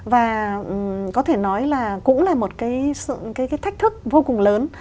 và có thể nói là cũng là một cái thách thức vô cùng lớn